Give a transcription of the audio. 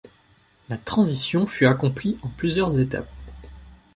La transition fut accomplie en plusieurs étapes.